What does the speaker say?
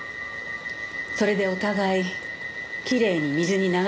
それでお互いきれいに水に流し合えれば。